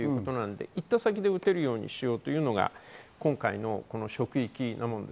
行った先で打てるようにしようというのが職域です。